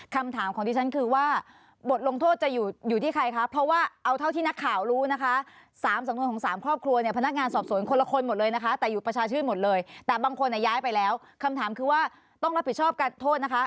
คือว่าต้องรับผิดชอบการโทษนะคะ